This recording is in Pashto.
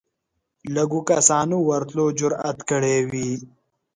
لږو کسانو ورتلو جرئت کړی وي